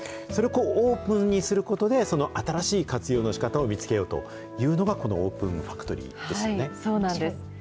それをオープンにすることで、新しい活用のしかたを見つけようというのがこのオープンファクトリそうなんです。